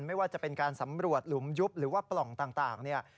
ไม่ว่าจะเป็นการสำรวจหลุมยุบหรือว่าปล่องต่างเนี่ย